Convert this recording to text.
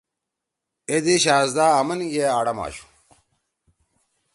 اے دی شہزدا آمنگے آڑم آشُو: